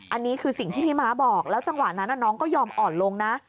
อันนี้คือสิ่งที่พี่ม้าบอกแล้วจังหวะนั้นน้องก็ยอมอ่อนลงนะ